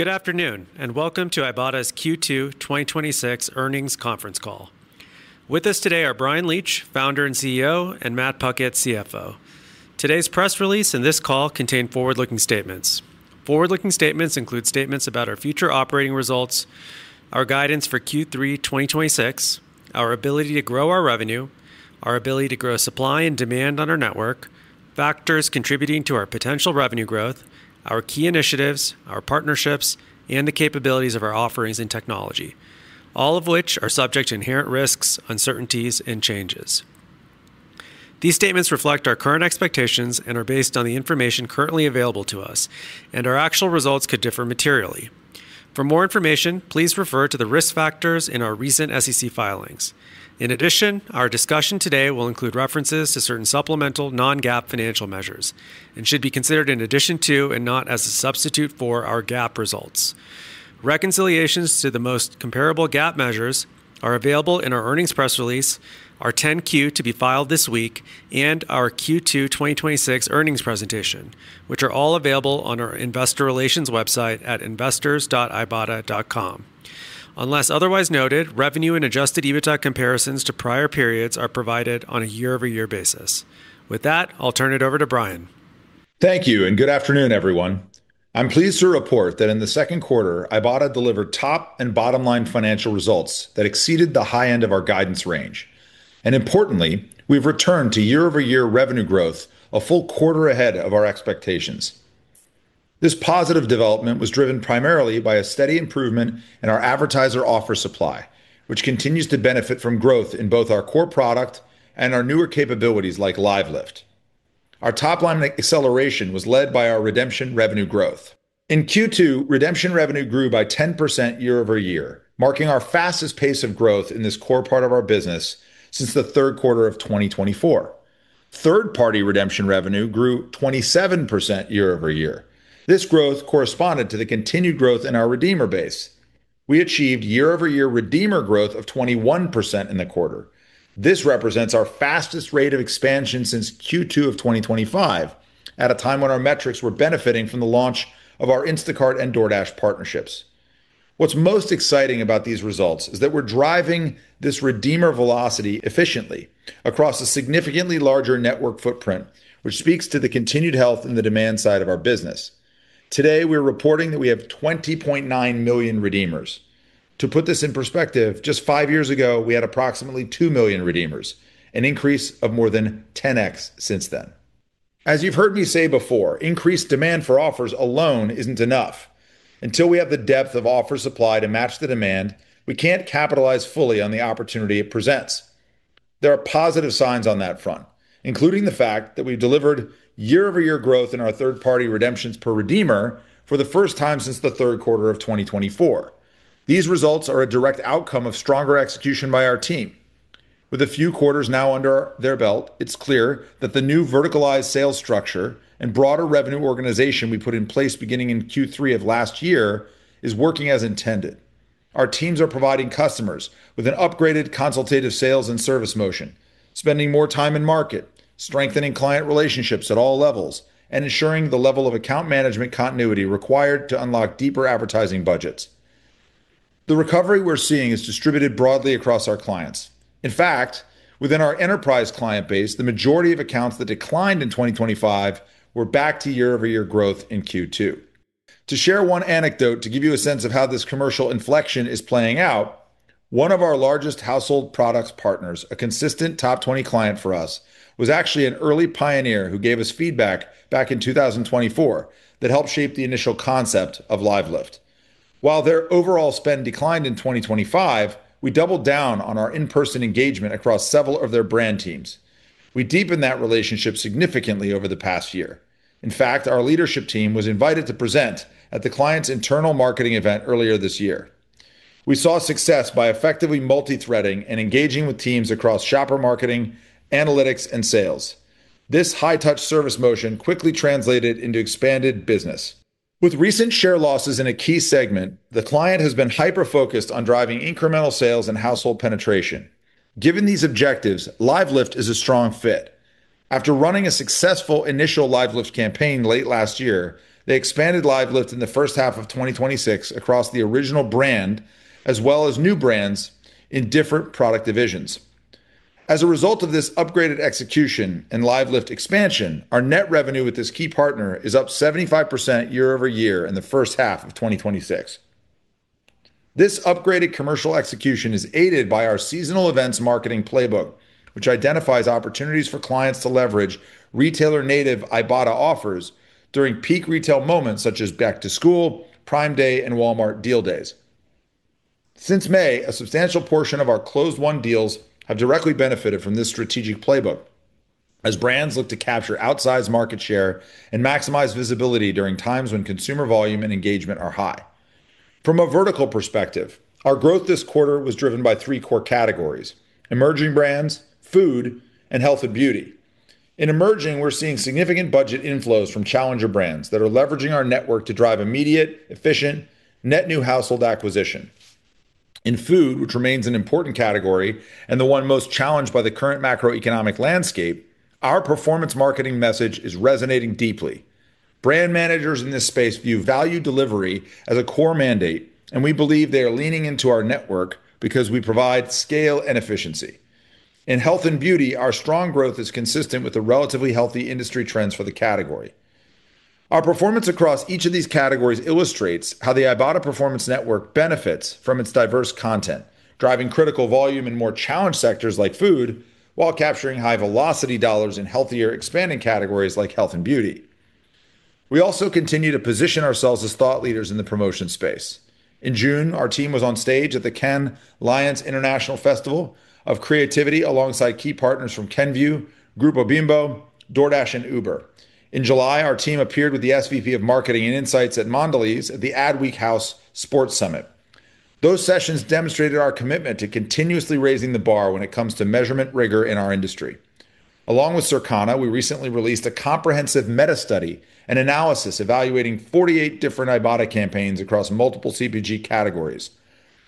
Good afternoon, welcome to Ibotta's Q2 2026 earnings conference call. With us today are Bryan Leach, founder and CEO, and Matt Puckett, CFO. Today's press release and this call contain forward-looking statements. Forward-looking statements include statements about our future operating results, our guidance for Q3 2026, our ability to grow our revenue, our ability to grow supply and demand on our network, factors contributing to our potential revenue growth, our key initiatives, our partnerships, and the capabilities of our offerings and technology, all of which are subject to inherent risks, uncertainties, and changes. These statements reflect our current expectations and are based on the information currently available to us, our actual results could differ materially. For more information, please refer to the risk factors in our recent SEC filings. In addition, our discussion today will include references to certain supplemental non-GAAP financial measures and should be considered in addition to, and not as a substitute for, our GAAP results. Reconciliations to the most comparable GAAP measures are available in our earnings press release, our 10-Q to be filed this week, and our Q2 2026 earnings presentation, which are all available on our investor relations website at investors.ibotta.com. Unless otherwise noted, revenue and adjusted EBITDA comparisons to prior periods are provided on a year-over-year basis. With that, I'll turn it over to Bryan Leach. Thank you, good afternoon, everyone. I'm pleased to report that in the second quarter, Ibotta delivered top and bottom-line financial results that exceeded the high end of our guidance range. Importantly, we've returned to year-over-year revenue growth a full quarter ahead of our expectations. This positive development was driven primarily by a steady improvement in our advertiser offer supply, which continues to benefit from growth in both our core product and our newer capabilities like LiveLift. Our top-line acceleration was led by our redemption revenue growth. In Q2, redemption revenue grew by 10% year-over-year, marking our fastest pace of growth in this core part of our business since the third quarter of 2024. Third-party redemption revenue grew 27% year-over-year. This growth corresponded to the continued growth in our redeemer base. We achieved year-over-year redeemer growth of 21% in the quarter. This represents our fastest rate of expansion since Q2 of 2025, at a time when our metrics were benefiting from the launch of our Instacart and DoorDash partnerships. What's most exciting about these results is that we're driving this redeemer velocity efficiently across a significantly larger network footprint, which speaks to the continued health in the demand side of our business. Today, we're reporting that we have 20.9 million redeemers. To put this in perspective, just five years ago, we had approximately two million redeemers, an increase of more than 10x since then. As you've heard me say before, increased demand for offers alone isn't enough. Until we have the depth of offer supply to match the demand, we can't capitalize fully on the opportunity it presents. There are positive signs on that front, including the fact that we've delivered year-over-year growth in our third-party redemptions per redeemer for the first time since the third quarter of 2024. These results are a direct outcome of stronger execution by our team. With a few quarters now under their belt, it's clear that the new verticalized sales structure and broader revenue organization we put in place beginning in Q3 of last year is working as intended. Our teams are providing customers with an upgraded consultative sales and service motion, spending more time in market, strengthening client relationships at all levels, and ensuring the level of account management continuity required to unlock deeper advertising budgets. The recovery we're seeing is distributed broadly across our clients. In fact, within our enterprise client base, the majority of accounts that declined in 2025 were back to year-over-year growth in Q2. To share one anecdote to give you a sense of how this commercial inflection is playing out, one of our largest household products partners, a consistent top 20 client for us, was actually an early pioneer who gave us feedback back in 2024 that helped shape the initial concept of LiveLift. While their overall spend declined in 2025, we doubled down on our in-person engagement across several of their brand teams. We deepened that relationship significantly over the past year. In fact, our leadership team was invited to present at the client's internal marketing event earlier this year. We saw success by effectively multi-threading and engaging with teams across shopper marketing, analytics, and sales. This high-touch service motion quickly translated into expanded business. With recent share losses in a key segment, the client has been hyper-focused on driving incremental sales and household penetration. Given these objectives, LiveLift is a strong fit. After running a successful initial LiveLift campaign late last year, they expanded LiveLift in the first half of 2026 across the original brand, as well as new brands in different product divisions. As a result of this upgraded execution and LiveLift expansion, our net revenue with this key partner is up 75% year-over-year in the first half of 2026. This upgraded commercial execution is aided by our seasonal events marketing playbook, which identifies opportunities for clients to leverage retailer-native Ibotta offers during peak retail moments such as Back to School, Prime Day, and Walmart Deals. Since May, a substantial portion of our closed-won deals have directly benefited from this strategic playbook, as brands look to capture outsized market share and maximize visibility during times when consumer volume and engagement are high. From a vertical perspective, our growth this quarter was driven by three core categories: emerging brands, food, and health and beauty. In emerging, we're seeing significant budget inflows from challenger brands that are leveraging our network to drive immediate, efficient, net new household acquisition. In food, which remains an important category and the one most challenged by the current macroeconomic landscape, our performance marketing message is resonating deeply. Brand managers in this space view value delivery as a core mandate, and we believe they are leaning into our network because we provide scale and efficiency. In health and beauty, our strong growth is consistent with the relatively healthy industry trends for the category. Our performance across each of these categories illustrates how the Ibotta Performance Network benefits from its diverse content, driving critical volume in more challenged sectors like food, while capturing high velocity dollars in healthier, expanding categories like health and beauty. We also continue to position ourselves as thought leaders in the promotion space. In June, our team was on stage at the Cannes Lions International Festival of Creativity alongside key partners from Kenvue, Grupo Bimbo, DoorDash and Uber. In July, our team appeared with the SVP of Marketing and Insights at Mondelez at the Adweek House Sports Summit. Those sessions demonstrated our commitment to continuously raising the bar when it comes to measurement rigor in our industry. Along with Circana, we recently released a comprehensive meta-study and analysis evaluating 48 different Ibotta campaigns across multiple CPG categories.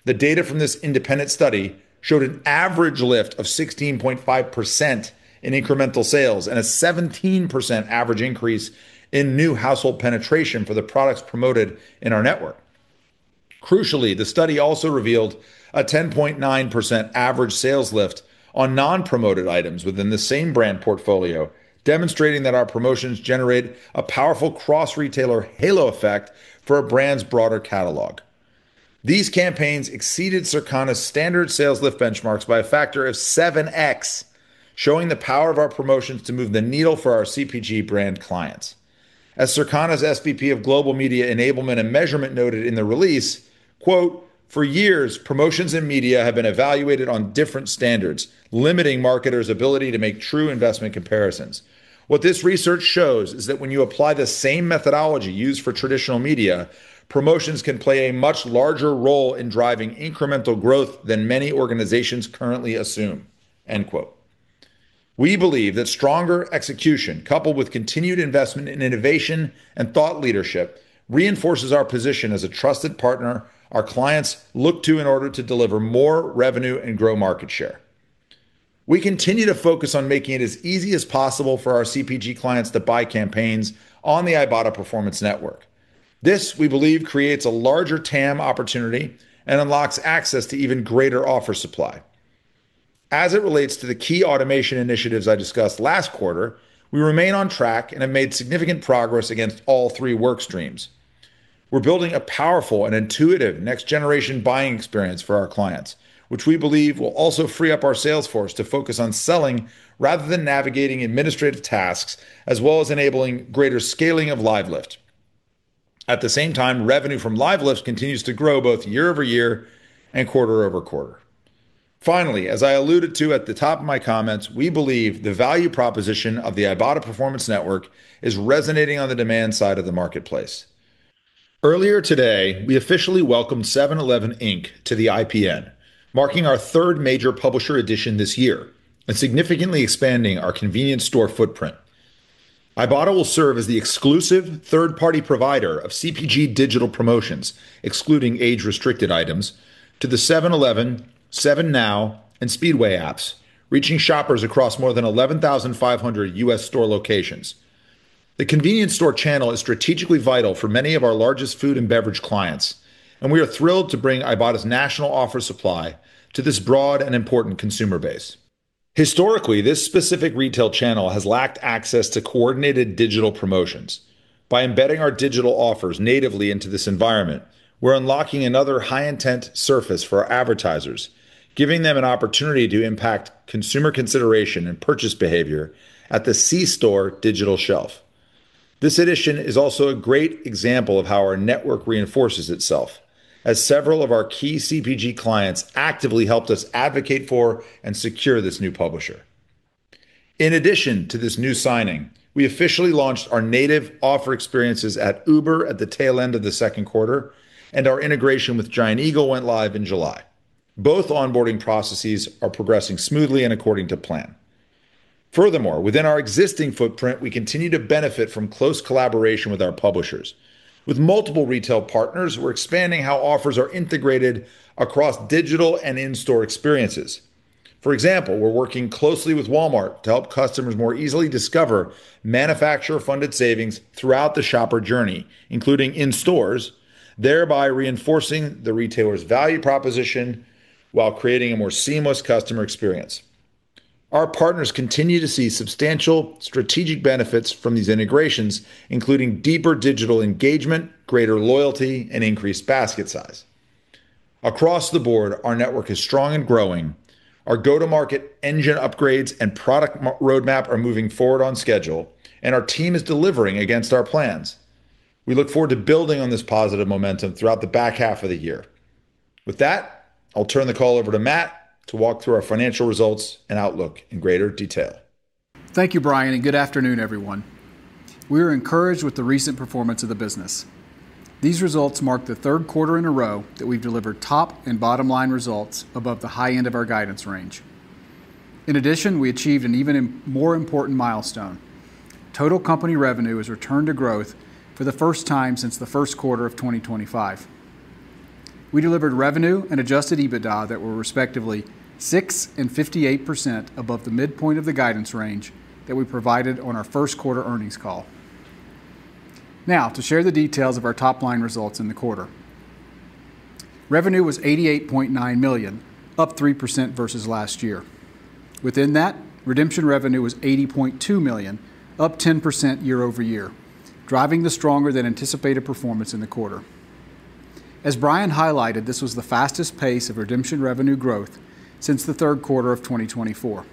The data from this independent study showed an average lift of 16.5% in incremental sales and a 17% average increase in new household penetration for the products promoted in our network. Crucially, the study also revealed a 10.9% average sales lift on non-promoted items within the same brand portfolio, demonstrating that our promotions generate a powerful cross-retailer halo effect for a brand's broader catalog. These campaigns exceeded Circana's standard sales lift benchmarks by a factor of 7x, showing the power of our promotions to move the needle for our CPG brand clients. As Circana's SVP of Global Media Enablement and Measurement noted in the release, "For years, promotions in media have been evaluated on different standards, limiting marketers' ability to make true investment comparisons. What this research shows is that when you apply the same methodology used for traditional media, promotions can play a much larger role in driving incremental growth than many organizations currently assume." We believe that stronger execution, coupled with continued investment in innovation and thought leadership, reinforces our position as a trusted partner our clients look to in order to deliver more revenue and grow market share. We continue to focus on making it as easy as possible for our CPG clients to buy campaigns on the Ibotta Performance Network. This, we believe, creates a larger TAM opportunity and unlocks access to even greater offer supply. As it relates to the key automation initiatives I discussed last quarter, we remain on track and have made significant progress against all three work streams. We're building a powerful and intuitive next-generation buying experience for our clients, which we believe will also free up our sales force to focus on selling rather than navigating administrative tasks, as well as enabling greater scaling of LiveLift. At the same time, revenue from LiveLift continues to grow both year-over-year and quarter-over-quarter. Finally, as I alluded to at the top of my comments, we believe the value proposition of the Ibotta Performance Network is resonating on the demand side of the marketplace. Earlier today, we officially welcomed 7-Eleven, Inc. to the IPN, marking our third major publisher addition this year and significantly expanding our convenience store footprint. Ibotta will serve as the exclusive third-party provider of CPG digital promotions, excluding age-restricted items, to the 7-Eleven, 7NOW and Speedway apps, reaching shoppers across more than 11,500 U.S. store locations. The convenience store channel is strategically vital for many of our largest food and beverage clients, and we are thrilled to bring Ibotta's national offer supply to this broad and important consumer base. Historically, this specific retail channel has lacked access to coordinated digital promotions. By embedding our digital offers natively into this environment, we are unlocking another high-intent surface for our advertisers, giving them an opportunity to impact consumer consideration and purchase behavior at the c-store digital shelf. This addition is also a great example of how our network reinforces itself, as several of our key CPG clients actively helped us advocate for and secure this new publisher. In addition to this new signing, we officially launched our native offer experiences at Uber at the tail end of the second quarter, and our integration with Giant Eagle went live in July. Both onboarding processes are progressing smoothly and according to plan. Furthermore, within our existing footprint, we continue to benefit from close collaboration with our publishers. With multiple retail partners, we are expanding how offers are integrated across digital and in-store experiences. For example, we are working closely with Walmart to help customers more easily discover manufacturer-funded savings throughout the shopper journey, including in stores, thereby reinforcing the retailer's value proposition while creating a more seamless customer experience. Our partners continue to see substantial strategic benefits from these integrations, including deeper digital engagement, greater loyalty, and increased basket size. Across the board, our network is strong and growing. Our go-to-market engine upgrades and product roadmap are moving forward on schedule, and our team is delivering against our plans. We look forward to building on this positive momentum throughout the back half of the year. With that, I will turn the call over to Matt Puckett to walk through our financial results and outlook in greater detail. Thank you, Bryan Leach, and good afternoon, everyone. We are encouraged with the recent performance of the business. These results mark the third quarter in a row that we have delivered top and bottom line results above the high end of our guidance range. In addition, we achieved an even more important milestone. Total company revenue has returned to growth for the first time since the first quarter of 2025. We delivered revenue and adjusted EBITDA that were respectively 6% and 58% above the midpoint of the guidance range that we provided on our first quarter earnings call. Now to share the details of our top-line results in the quarter. Revenue was $88.9 million, up 3% versus last year. Within that, redemption revenue was $80.2 million, up 10% year-over-year, driving the stronger than anticipated performance in the quarter. As Bryan Leach highlighted, this was the fastest pace of redemption revenue growth since the third quarter of 2024.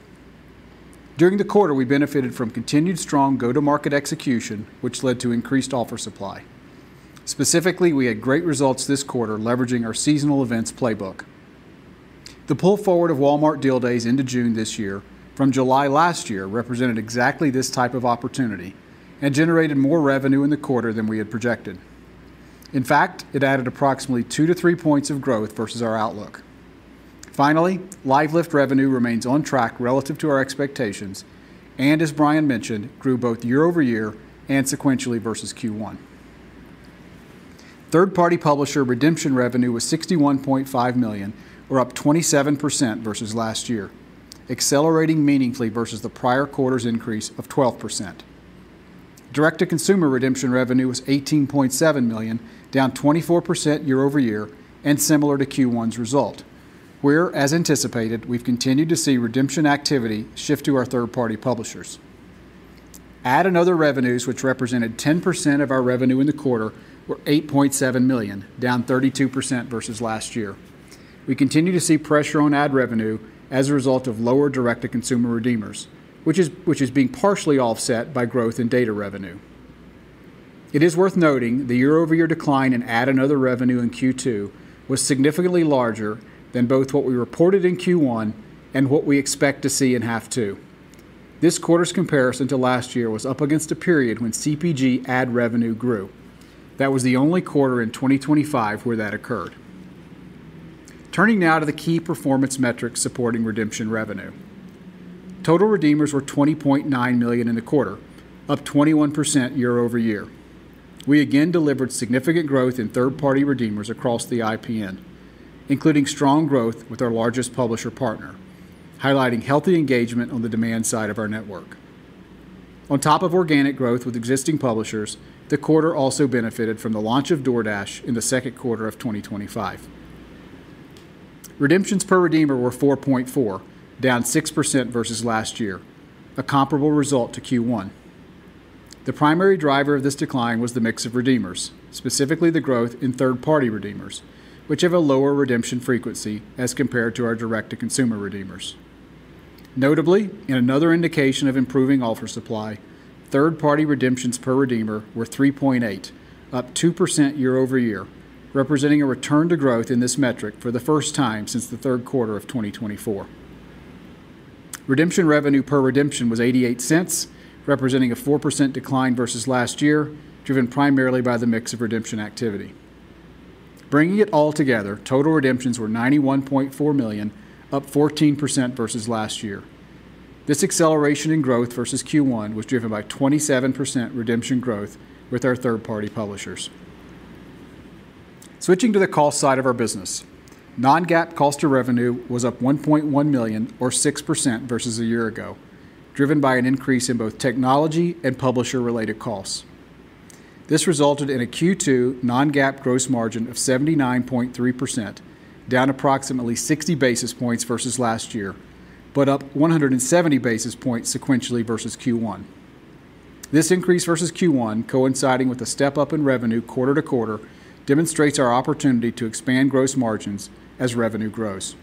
During the quarter, we benefited from continued strong go-to-market execution, which led to increased offer supply. Specifically, we had great results this quarter leveraging our seasonal events playbook. The pull forward of Walmart Deals into June this year from July last year represented exactly this type of opportunity and generated more revenue in the quarter than we had projected. In fact, it added approximately two to three points of growth versus our outlook. Finally, LiveLift revenue remains on track relative to our expectations and, as Bryan Leach mentioned, grew both year-over-year and sequentially versus Q1. Third-party publisher redemption revenue was $61.5 million, or up 27% versus last year, accelerating meaningfully versus the prior quarter's increase of 12%. Direct-to-consumer redemption revenue was $18.7 million, down 24% year-over-year and similar to Q1's result, where, as anticipated, we've continued to see redemption activity shift to our third-party publishers. Ad and other revenues, which represented 10% of our revenue in the quarter, were $8.7 million, down 32% versus last year. We continue to see pressure on ad revenue as a result of lower direct-to-consumer redeemers, which is being partially offset by growth in data revenue. It is worth noting the year-over-year decline in ad and other revenue in Q2 was significantly larger than both what we reported in Q1 and what we expect to see in half two. This quarter's comparison to last year was up against a period when CPG ad revenue grew. That was the only quarter in 2025 where that occurred. Turning now to the key performance metrics supporting redemption revenue. Total redeemers were $20.9 million in the quarter, up 21% year-over-year. We again delivered significant growth in third-party redeemers across the IPN, including strong growth with our largest publisher partner, highlighting healthy engagement on the demand side of our network. On top of organic growth with existing publishers, the quarter also benefited from the launch of DoorDash in the second quarter of 2025. Redemptions per redeemer were 4.4, down 6% versus last year, a comparable result to Q1. The primary driver of this decline was the mix of redeemers, specifically the growth in third-party redeemers, which have a lower redemption frequency as compared to our direct-to-consumer redeemers. Notably, in another indication of improving offer supply, third-party redemptions per redeemer were 3.8, up 2% year-over-year, representing a return to growth in this metric for the first time since the third quarter of 2024. Redemption revenue per redemption was $0.88, representing a 4% decline versus last year, driven primarily by the mix of redemption activity. Bringing it all together, total redemptions were $91.4 million, up 14% versus last year. This acceleration in growth versus Q1 was driven by 27% redemption growth with our third-party publishers. Switching to the cost side of our business, non-GAAP cost of revenue was up $1.1 million or 6% versus a year ago, driven by an increase in both technology and publisher-related costs. This resulted in a Q2 non-GAAP gross margin of 79.3%, down approximately 60 basis points versus last year, but up 170 basis points sequentially versus Q1. This increase versus Q1 coinciding with a step-up in revenue quarter-to-quarter demonstrates our opportunity to expand gross margins as revenue grows.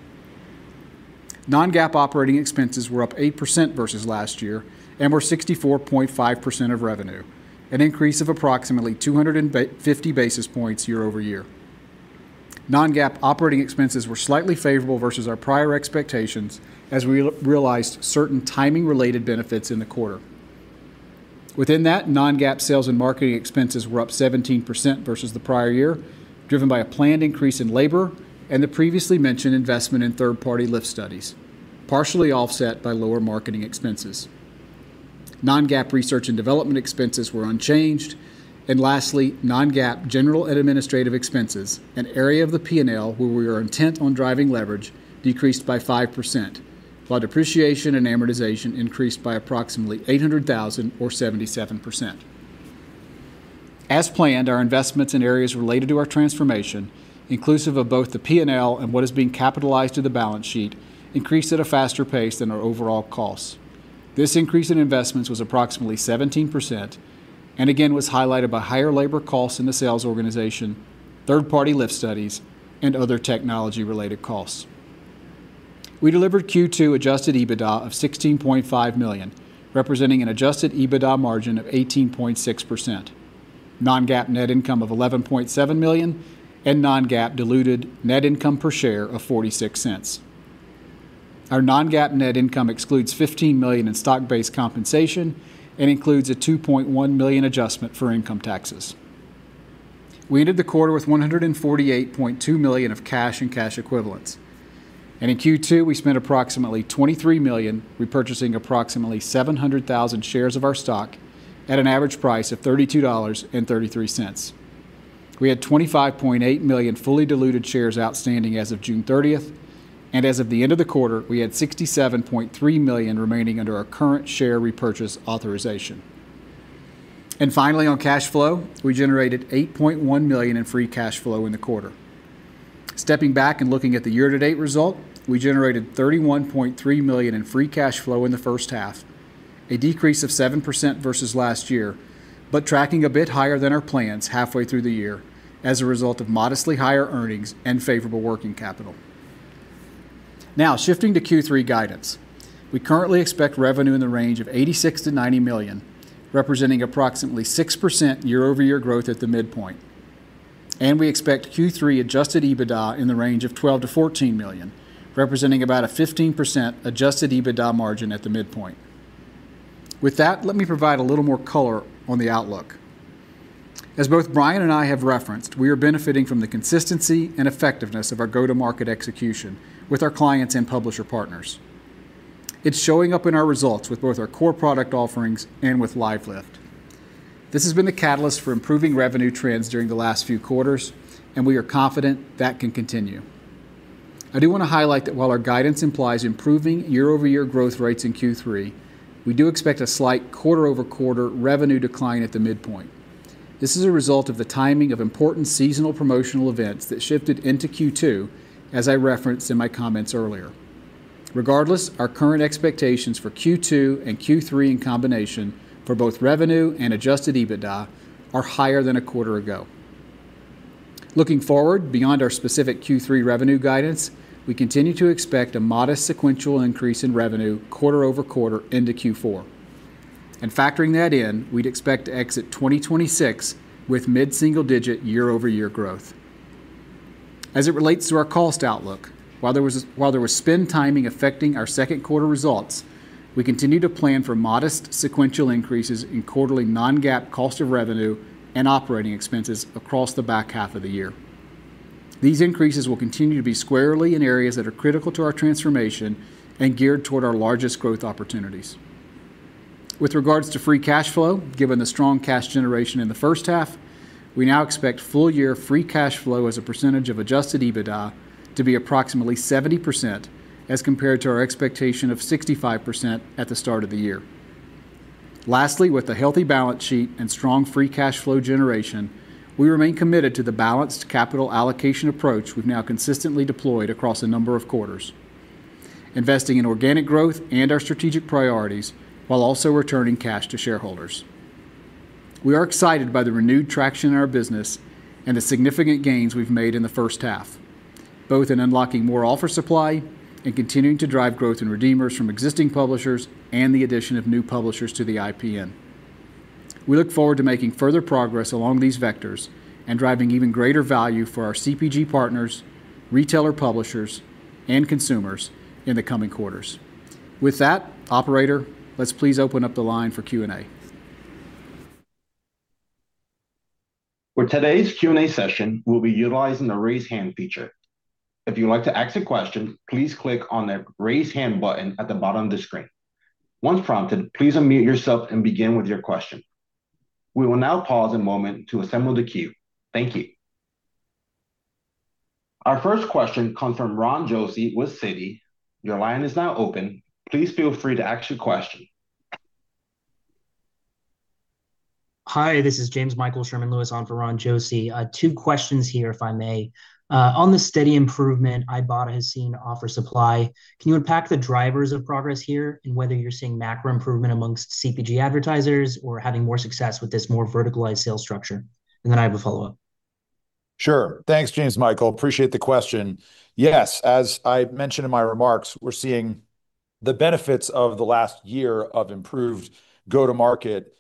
Non-GAAP operating expenses were up 8% versus last year and were 64.5% of revenue, an increase of approximately 250 basis points year-over-year. Non-GAAP operating expenses were slightly favorable versus our prior expectations as we realized certain timing-related benefits in the quarter. Within that, non-GAAP sales and marketing expenses were up 17% versus the prior year, driven by a planned increase in labor and the previously mentioned investment in third-party lift studies, partially offset by lower marketing expenses. Non-GAAP research and development expenses were unchanged. Lastly, non-GAAP general and administrative expenses, an area of the P&L where we are intent on driving leverage, decreased by 5%, while depreciation and amortization increased by approximately $800,000 or 77%. As planned, our investments in areas related to our transformation, inclusive of both the P&L and what is being capitalized to the balance sheet, increased at a faster pace than our overall costs. This increase in investments was approximately 17% and again was highlighted by higher labor costs in the sales organization, third-party lift studies, and other technology-related costs. We delivered Q2 adjusted EBITDA of $16.5 million, representing an adjusted EBITDA margin of 18.6%, non-GAAP net income of $11.7 million and non-GAAP diluted net income per share of $0.46. Our non-GAAP net income excludes $15 million in stock-based compensation and includes a $2.1 million adjustment for income taxes. We ended the quarter with $148.2 million of cash and cash equivalents. In Q2, we spent approximately $23 million repurchasing approximately 700,000 shares of our stock at an average price of $32.33. We had 25.8 million fully diluted shares outstanding as of June 30th, and as of the end of the quarter, we had 67.3 million remaining under our current share repurchase authorization. Finally, on cash flow, we generated $8.1 million in free cash flow in the quarter. Stepping back and looking at the year-to-date result, we generated $31.3 million in free cash flow in the first half, a decrease of 7% versus last year, but tracking a bit higher than our plans halfway through the year as a result of modestly higher earnings and favorable working capital. Now shifting to Q3 guidance. We currently expect revenue in the range of $86 million-$90 million, representing approximately 6% year-over-year growth at the midpoint. We expect Q3 adjusted EBITDA in the range of $12 million-$14 million, representing about a 15% adjusted EBITDA margin at the midpoint. With that, let me provide a little more color on the outlook. As both Bryan Leach and I have referenced, we are benefiting from the consistency and effectiveness of our go-to-market execution with our clients and publisher partners. It's showing up in our results with both our core product offerings and with LiveLift. This has been the catalyst for improving revenue trends during the last few quarters, and we are confident that can continue. I do want to highlight that while our guidance implies improving year-over-year growth rates in Q3, we do expect a slight quarter-over-quarter revenue decline at the midpoint. This is a result of the timing of important seasonal promotional events that shifted into Q2, as I referenced in my comments earlier. Regardless, our current expectations for Q2 and Q3 in combination for both revenue and adjusted EBITDA are higher than a quarter ago. Looking forward, beyond our specific Q3 revenue guidance, we continue to expect a modest sequential increase in revenue quarter-over-quarter into Q4. Factoring that in, we'd expect to exit 2026 with mid-single digit year-over-year growth. As it relates to our cost outlook, while there was spend timing affecting our second quarter results, we continue to plan for modest sequential increases in quarterly non-GAAP cost of revenue and operating expenses across the back half of the year. These increases will continue to be squarely in areas that are critical to our transformation and geared toward our largest growth opportunities. With regards to free cash flow, given the strong cash generation in the first half, we now expect full year free cash flow as a percentage of adjusted EBITDA to be approximately 70% as compared to our expectation of 65% at the start of the year. Lastly, with a healthy balance sheet and strong free cash flow generation, we remain committed to the balanced capital allocation approach we've now consistently deployed across a number of quarters, investing in organic growth and our strategic priorities while also returning cash to shareholders. We are excited by the renewed traction in our business and the significant gains we've made in the first half, both in unlocking more offer supply and continuing to drive growth in redeemers from existing publishers and the addition of new publishers to the IPN. We look forward to making further progress along these vectors and driving even greater value for our CPG partners, retailer publishers, and consumers in the coming quarters. With that, operator, let's please open up the line for Q&A. For today's Q&A session, we'll be utilizing the raise hand feature. If you would like to ask a question, please click on the raise hand button at the bottom of the screen. Once prompted, please unmute yourself and begin with your question. We will now pause a moment to assemble the queue. Thank you. Our first question comes from Ron Josey with Citi. Your line is now open. Please feel free to ask your question. Hi, this is Jamesmichael Sherman-Lewis on for Ron Josey. Two questions here, if I may. On the steady improvement Ibotta has seen to offer supply, can you unpack the drivers of progress here and whether you're seeing macro improvement amongst CPG advertisers or having more success with this more verticalized sales structure? Then I have a follow-up. Sure. Thanks, Jamesmichael Sherman-Lewis. Appreciate the question. Yes. As I mentioned in my remarks, we're seeing the benefits of the last year of improved go-to-market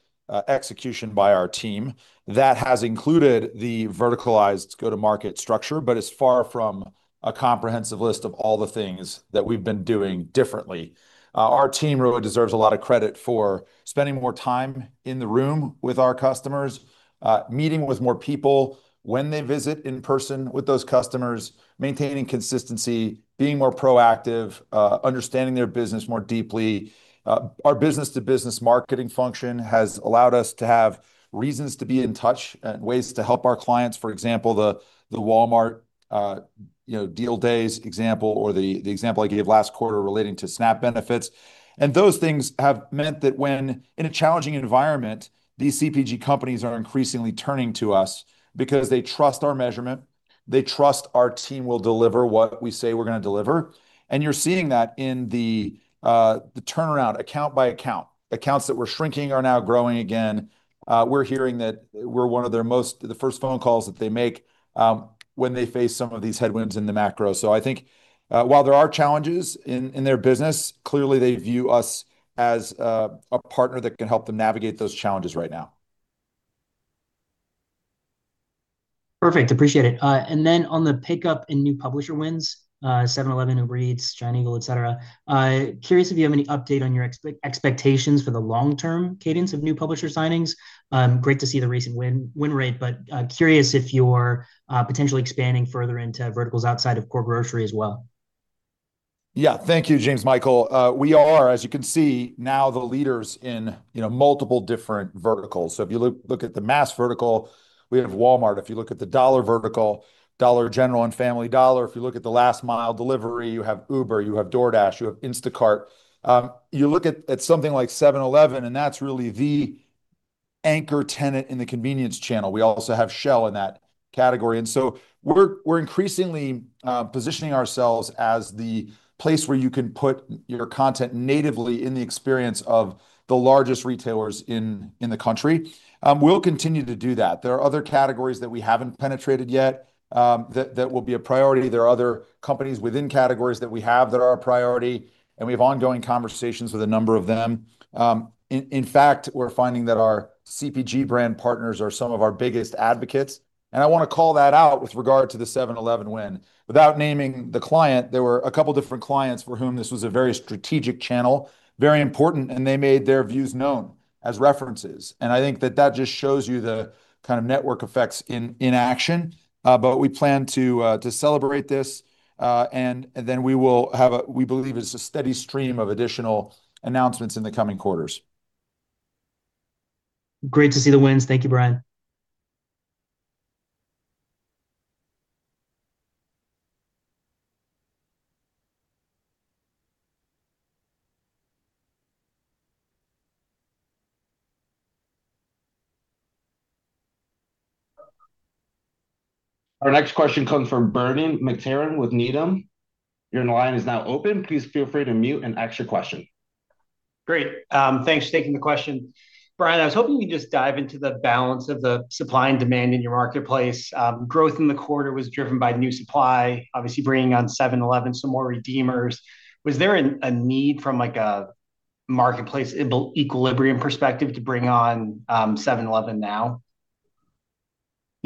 execution by our team that has included the verticalized go-to-market structure, but is far from a comprehensive list of all the things that we've been doing differently. Our team really deserves a lot of credit for spending more time in the room with our customers, meeting with more people when they visit in person with those customers, maintaining consistency, being more proactive, understanding their business more deeply. Our business-to-business marketing function has allowed us to have reasons to be in touch and ways to help our clients. For example, the Walmart Deals example or the example I gave last quarter relating to SNAP benefits. Those things have meant that when in a challenging environment, these CPG companies are increasingly turning to us because they trust our measurement. They trust our team will deliver what we say we're going to deliver. You're seeing that in the turnaround account by account. Accounts that were shrinking are now growing again. We're hearing that we're one of the first phone calls that they make when they face some of these headwinds in the macro. I think while there are challenges in their business, clearly they view us as a partner that can help them navigate those challenges right now. Perfect. Appreciate it. Then on the pickup in new publisher wins, 7-Eleven, REITs, Giant Eagle, et cetera. Curious if you have any update on your expectations for the long-term cadence of new publisher signings. Great to see the recent win rate, but curious if you're potentially expanding further into verticals outside of core grocery as well. Thank you, Jamesmichael Sherman-Lewis. We are, as you can see now, the leaders in multiple different verticals. If you look at the mass vertical, we have Walmart. If you look at the dollar vertical, Dollar General and Family Dollar. If you look at the last-mile delivery, you have Uber, you have DoorDash, you have Instacart. You look at something like 7-Eleven, and that's really the anchor tenant in the convenience channel. We also have Shell in that category. We're increasingly positioning ourselves as the place where you can put your content natively in the experience of the largest retailers in the country. We'll continue to do that. There are other categories that we haven't penetrated yet that will be a priority. There are other companies within categories that we have that are a priority, and we have ongoing conversations with a number of them. In fact, we're finding that our CPG brand partners are some of our biggest advocates. I want to call that out with regard to the 7-Eleven win. Without naming the client, there were a couple different clients for whom this was a very strategic channel, very important, and they made their views known as references. I think that that just shows you the kind of network effects in action. We plan to celebrate this, and then we will have a, we believe is a steady stream of additional announcements in the coming quarters. Great to see the wins. Thank you, Bryan Leach. Our next question comes from Bernie McTernan with Needham. Your line is now open. Please feel free to unmute and ask your question. Great, thanks for taking the question. Bryan Leach, I was hoping we could just dive into the balance of the supply and demand in your marketplace. Growth in the quarter was driven by new supply, obviously bringing on 7-Eleven, some more redeemers. Was there a need from a marketplace equilibrium perspective to bring on 7-Eleven now?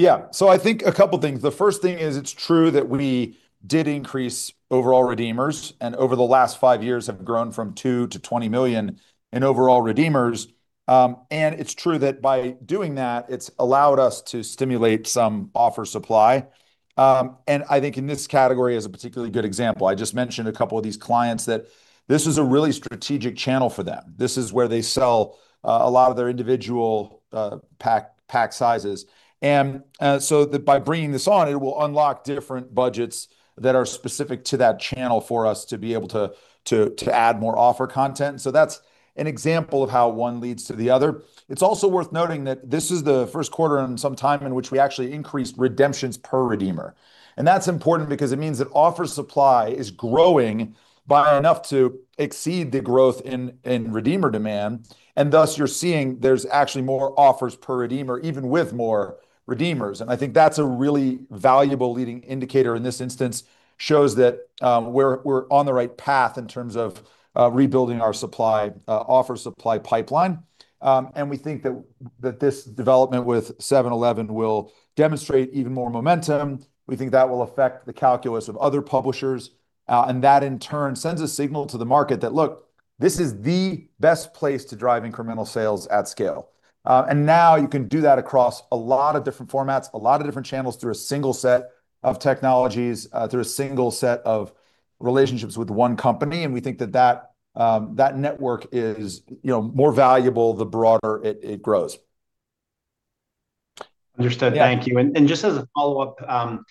Yeah. I think a couple things. The first thing is it's true that we did increase overall redeemers, and over the last five years have grown from $2 million-$20 million in overall redeemers. It's true that by doing that, it's allowed us to stimulate some offer supply. I think in this category as a particularly good example, I just mentioned a couple of these clients that this is a really strategic channel for them. This is where they sell a lot of their individual pack sizes. By bringing this on, it will unlock different budgets that are specific to that channel for us to be able to add more offer content. That's an example of how one leads to the other. It's also worth noting that this is the first quarter in some time in which we actually increased redemptions per redeemer. That's important because it means that offer supply is growing by enough to exceed the growth in redeemer demand, and thus you're seeing there's actually more offers per redeemer, even with more redeemers. I think that's a really valuable leading indicator in this instance, shows that we're on the right path in terms of rebuilding our offer supply pipeline. We think that this development with 7-Eleven will demonstrate even more momentum. We think that will affect the calculus of other publishers. That, in turn, sends a signal to the market that, look, this is the best place to drive incremental sales at scale. Now you can do that across a lot of different formats, a lot of different channels, through a single set of technologies, through a single set of relationships with one company. We think that that network is more valuable the broader it grows. Understood. Thank you. Just as a follow-up, Bryan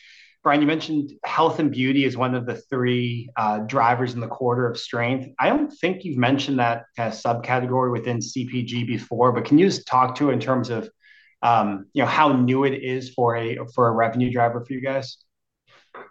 Leach, you mentioned health and beauty as one of the three drivers in the quarter of strength. I don't think you've mentioned that subcategory within CPG before. Can you just talk to in terms of how new it is for a revenue driver for you guys?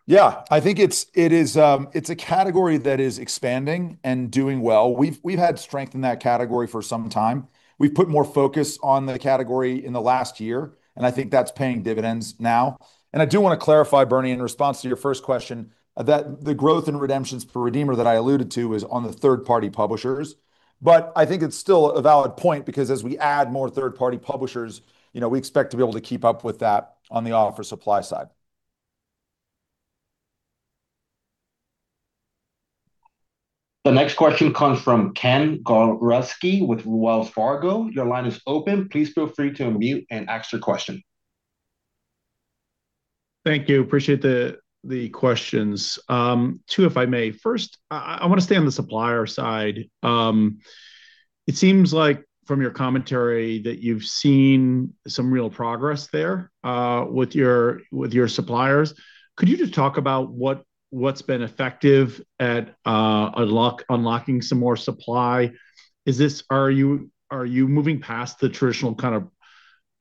Yeah, I think it's a category that is expanding and doing well. We've had strength in that category for some time. We've put more focus on the category in the last year, I think that's paying dividends now. I do want to clarify, Bernie McTernan, in response to your first question, that the growth in redemptions per redeemer that I alluded to is on the third-party publishers. I think it's still a valid point because as we add more third-party publishers, we expect to be able to keep up with that on the offer supply side. The next question comes from Ken Gawrelski with Wells Fargo. Your line is open. Please feel free to unmute and ask your question. Thank you. Appreciate the questions. Two, if I may. First, I want to stay on the supplier side. It seems like from your commentary that you've seen some real progress there with your suppliers. Could you just talk about what's been effective at unlocking some more supply? Are you moving past the traditional kind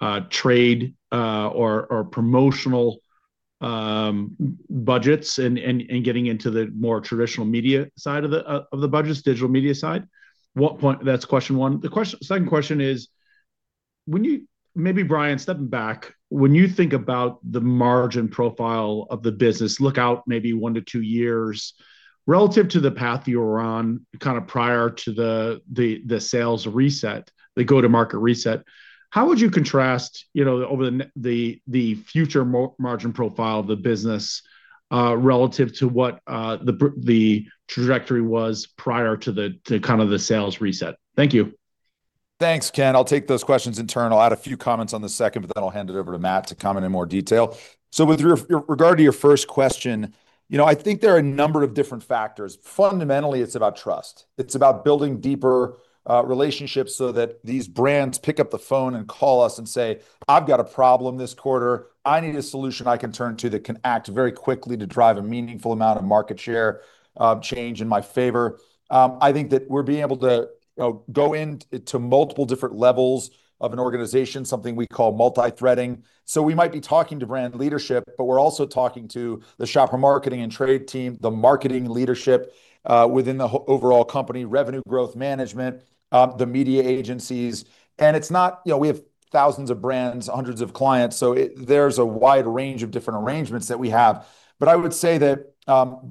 of trade or promotional budgets and getting into the more traditional media side of the budgets, digital media side? That's question one. The second question is, maybe Bryan Leach, stepping back, when you think about the margin profile of the business, look out maybe one to two years, relative to the path you were on kind of prior to the sales reset, the go-to-market reset, how would you contrast over the future margin profile of the business, relative to what the trajectory was prior to the kind of the sales reset? Thank you. Thanks, Ken Gawrelski. I'll take those questions in turn. I'll add a few comments on the second, then I'll hand it over to Matt Puckett to comment in more detail. With regard to your first question, I think there are a number of different factors. Fundamentally, it's about trust. It's about building deeper relationships so that these brands pick up the phone and call us and say, "I've got a problem this quarter. I need a solution I can turn to that can act very quickly to drive a meaningful amount of market share change in my favor." I think that we're being able to go into multiple different levels of an organization, something we call multi-threading. We might be talking to brand leadership, we're also talking to the shopper marketing and trade team, the marketing leadership within the overall company revenue growth management, the media agencies. We have thousands of brands, hundreds of clients, there's a wide range of different arrangements that we have. I would say that,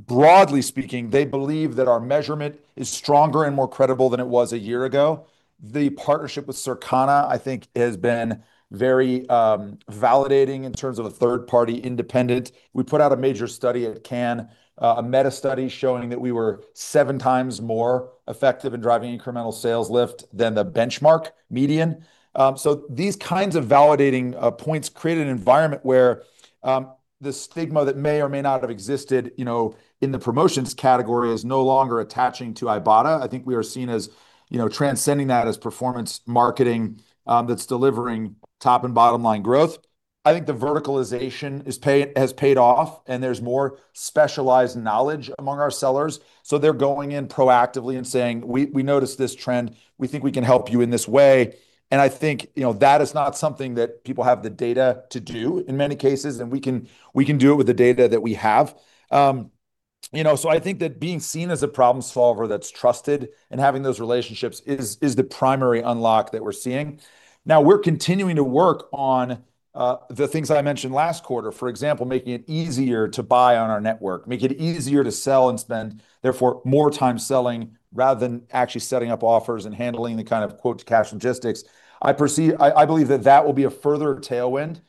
broadly speaking, they believe that our measurement is stronger and more credible than it was a year ago. The partnership with Circana, I think, has been very validating in terms of a third-party independent. We put out a major study at Cannes, a meta study showing that we were seven times more effective in driving incremental sales lift than the benchmark median. These kinds of validating points create an environment where the stigma that may or may not have existed in the promotions category is no longer attaching to Ibotta. I think we are seen as transcending that as performance marketing that's delivering top and bottom-line growth. I think the verticalization has paid off, and there's more specialized knowledge among our sellers, so they're going in proactively and saying, "We notice this trend. We think we can help you in this way." I think that is not something that people have the data to do in many cases, and we can do it with the data that we have. I think that being seen as a problem solver that's trusted and having those relationships is the primary unlock that we're seeing. Now, we're continuing to work on the things I mentioned last quarter. For example, making it easier to buy on our network, make it easier to sell and spend, therefore, more time selling rather than actually setting up offers and handling the kind of quote-to-cash logistics. I believe that that will be a further tailwind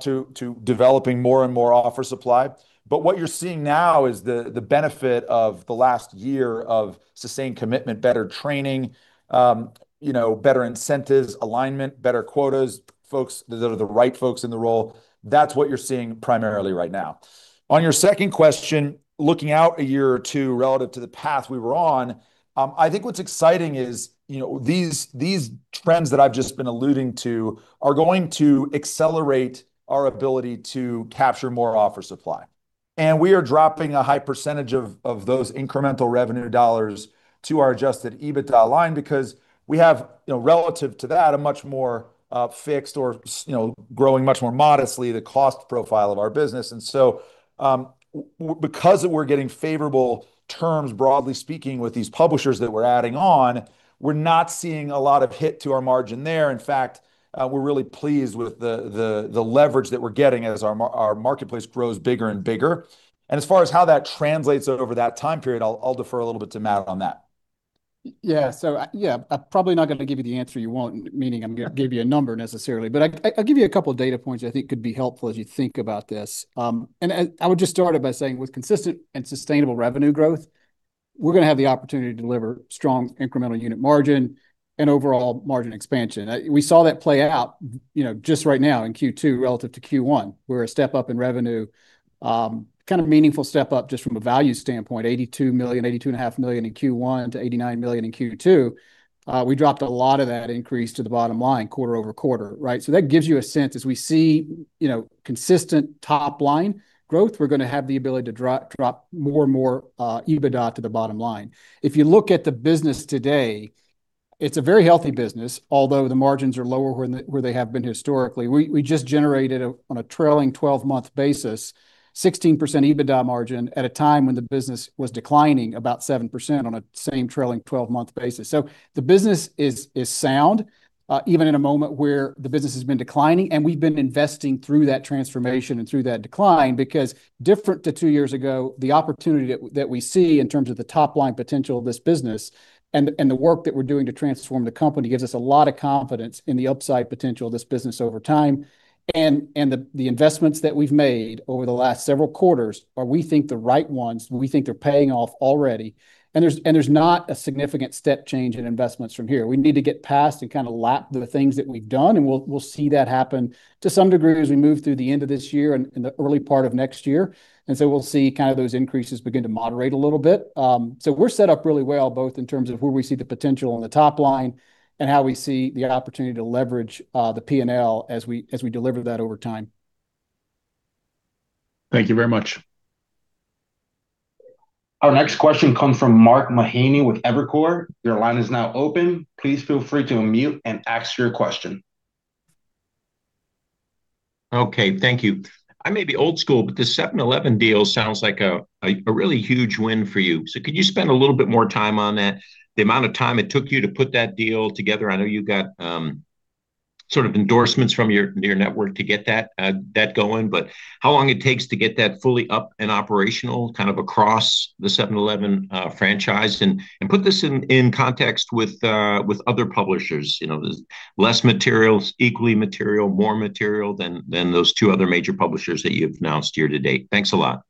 to developing more and more offer supply. What you're seeing now is the benefit of the last year of sustained commitment, better training, better incentives, alignment, better quotas, those are the right folks in the role. That's what you're seeing primarily right now. On your second question, looking out a year or two relative to the path we were on, I think what's exciting is these trends that I've just been alluding to are going to accelerate our ability to capture more offer supply. We are dropping a high percentage of those incremental revenue dollars to our adjusted EBITDA line because we have, relative to that, a much more fixed or growing much more modestly the cost profile of our business. Because we're getting favorable terms, broadly speaking, with these publishers that we're adding on, we're not seeing a lot of hit to our margin there. In fact, we're really pleased with the leverage that we're getting as our marketplace grows bigger and bigger. As far as how that translates over that time period, I'll defer a little bit to Matt Puckett on that. Yeah. I'm probably not going to give you the answer you want, meaning I'm going to give you a number necessarily. I'll give you a couple of data points I think could be helpful as you think about this. I would just start it by saying with consistent and sustainable revenue growth, we're going to have the opportunity to deliver strong incremental unit margin and overall margin expansion. We saw that play out just right now in Q2 relative to Q1, where a step up in revenue, kind of meaningful step up just from a value standpoint, $82 million, $82.5 million in Q1 to $89 million in Q2. We dropped a lot of that increase to the bottom line quarter-over-quarter. Right? That gives you a sense, as we see consistent top-line growth, we're going to have the ability to drop more and more EBITDA to the bottom line. If you look at the business today, it's a very healthy business, although the margins are lower where they have been historically. We just generated, on a trailing 12-month basis, 16% EBITDA margin at a time when the business was declining about 7% on a same trailing 12-month basis. The business is sound, even in a moment where the business has been declining, and we've been investing through that transformation and through that decline because different to two years ago, the opportunity that we see in terms of the top-line potential of this business and the work that we're doing to transform the company gives us a lot of confidence in the upside potential of this business over time. The investments that we've made over the last several quarters are we think the right ones, and we think they're paying off already. There's not a significant step change in investments from here. We need to get past and kind of lap the things that we've done, and we'll see that happen to some degree as we move through the end of this year and in the early part of next year. We'll see those increases begin to moderate a little bit. We're set up really well, both in terms of where we see the potential on the top line and how we see the opportunity to leverage the P&L as we deliver that over time. Thank you very much. Our next question comes from Mark Mahaney with Evercore. Your line is now open. Please feel free to unmute and ask your question. Okay. Thank you. I may be old school, but this 7-Eleven deal sounds like a really huge win for you. Could you spend a little bit more time on that, the amount of time it took you to put that deal together? I know you got sort of endorsements from your network to get that going. How long it takes to get that fully up and operational kind of across the 7-Eleven franchise? And put this in context with other publishers. There's less materials, equally material, more material than those two other major publishers that you've announced year to date. Thanks a lot.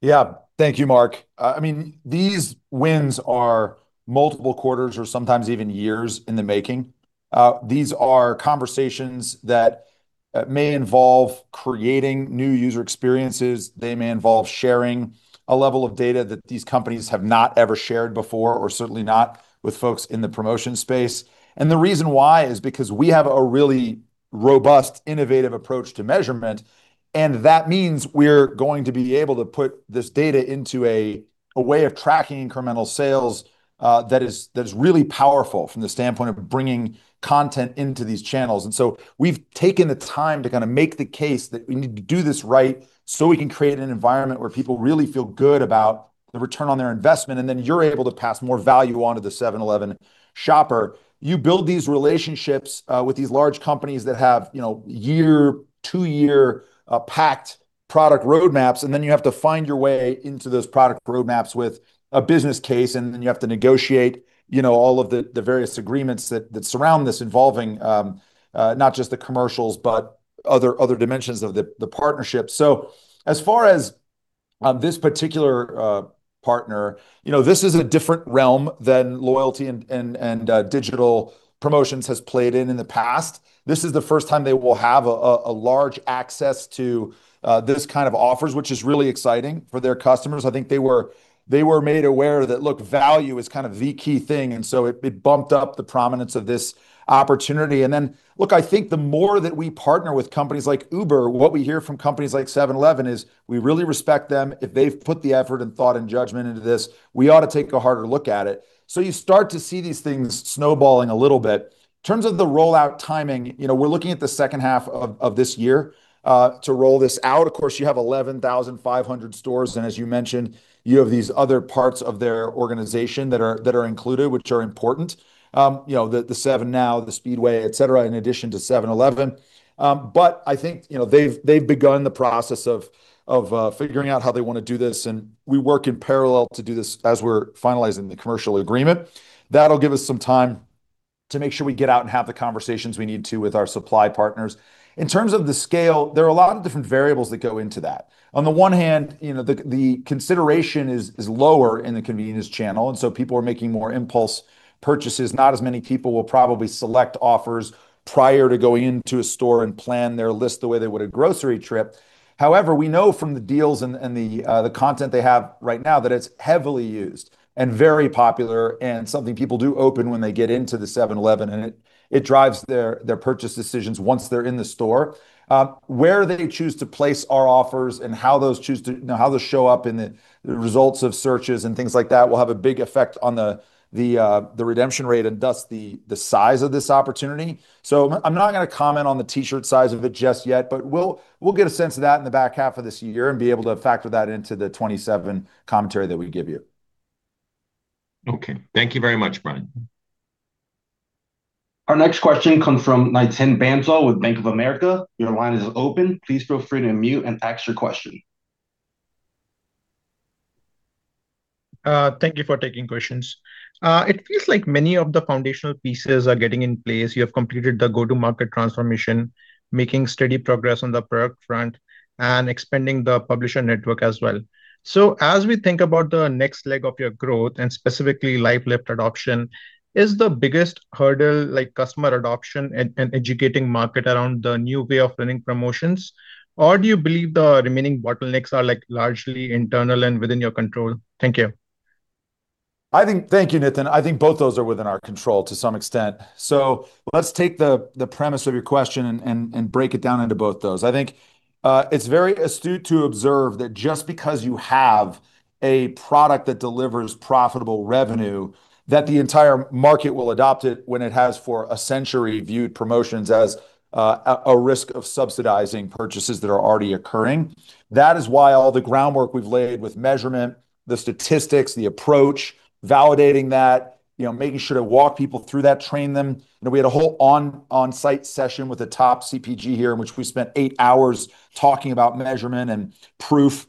Yeah. Thank you, Mark Mahaney. These wins are multiple quarters or sometimes even years in the making. These are conversations that may involve creating new user experiences. They may involve sharing a level of data that these companies have not ever shared before, or certainly not with folks in the promotion space. The reason why is because we have a really robust, innovative approach to measurement, and that means we're going to be able to put this data into a way of tracking incremental sales that is really powerful from the standpoint of bringing content into these channels. So we've taken the time to make the case that we need to do this right so we can create an environment where people really feel good about the return on their investment, and then you're able to pass more value on to the 7-Eleven shopper. You build these relationships with these large companies that have year, two-year packed product roadmaps, you have to find your way into those product roadmaps with a business case, you have to negotiate all of the various agreements that surround this, involving not just the commercials, but other dimensions of the partnership. As far as this particular partner, this is a different realm than loyalty and digital promotions has played in in the past. This is the first time they will have a large access to these kind of offers, which is really exciting for their customers. I think they were made aware that, look, value is the key thing, it bumped up the prominence of this opportunity. Look, I think the more that we partner with companies like Uber, what we hear from companies like 7-Eleven is, "We really respect them. If they've put the effort and thought and judgment into this, we ought to take a harder look at it." You start to see these things snowballing a little bit. In terms of the rollout timing, we're looking at the second half of this year to roll this out. Of course, you have 11,500 stores, and as you mentioned, you have these other parts of their organization that are included, which are important. The 7NOW, the Speedway, et cetera, in addition to 7-Eleven. I think they've begun the process of figuring out how they want to do this, and we work in parallel to do this as we're finalizing the commercial agreement. That'll give us some time to make sure we get out and have the conversations we need to with our supply partners. In terms of the scale, there are a lot of different variables that go into that. On the one hand, the consideration is lower in the convenience channel, and so people are making more impulse purchases. Not as many people will probably select offers prior to going into a store and plan their list the way they would a grocery trip. However, we know from the deals and the content they have right now that it's heavily used and very popular, and something people do open when they get into the 7-Eleven, and it drives their purchase decisions once they're in the store. Where they choose to place our offers and how those show up in the results of searches and things like that will have a big effect on the redemption rate, and thus the size of this opportunity. I'm not going to comment on the T-shirt size of it just yet, but we'll get a sense of that in the back half of this year, and be able to factor that into the 2027 commentary that we give you. Okay. Thank you very much, Bryan Leach. Our next question comes from Nitin Bansal with Bank of America. Your line is open. Please feel free to unmute and ask your question. Thank you for taking questions. It feels like many of the foundational pieces are getting in place. You have completed the go-to-market transformation, making steady progress on the product front, and expanding the publisher network as well. As we think about the next leg of your growth, and specifically LiveLift adoption, is the biggest hurdle customer adoption and educating market around the new way of running promotions? Or do you believe the remaining bottlenecks are largely internal and within your control? Thank you. Thank you, Nitin Bansal. I think both those are within our control to some extent. Let's take the premise of your question and break it down into both those. I think it's very astute to observe that just because you have a product that delivers profitable revenue, that the entire market will adopt it when it has, for a century, viewed promotions as a risk of subsidizing purchases that are already occurring. That is why all the groundwork we've laid with measurement, the statistics, the approach, validating that, making sure to walk people through that, train them. We had a whole on-site session with a top CPG here, in which we spent eight hours talking about measurement and proof.